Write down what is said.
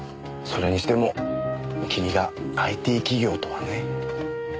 それにしても君がＩＴ企業とはね。